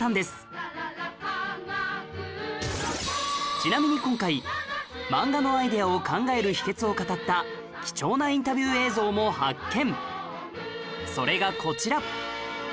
ちなみに今回漫画のアイデアを考える秘訣を語った貴重なインタビュー映像も発見